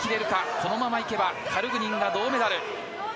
このままいけばカルグニンは銅メダル。